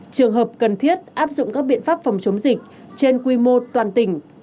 trường hợp cần thiết áp dụng các biện pháp phòng chống dịch trên quy mô toàn tỉnh